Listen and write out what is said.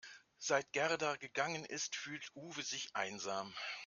Seit Gerda gegangen ist, fühlt Uwe sich einsam.